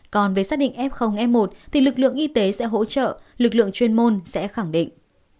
còn với xác định f f một thì lực lượng y tế sẽ hỗ trợ lực lượng chuyên môn sẽ khẳng định